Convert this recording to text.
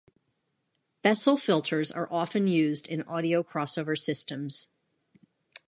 Bessel filters are often used in audio crossover systems.